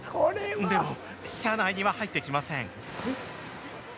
でも車内には入ってきません。